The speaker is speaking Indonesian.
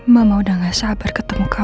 mama udah gak sabar ketemu kamu sayang